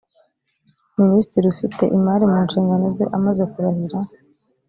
minisitiri ufite imari mu nshingano ze amaze kurahira.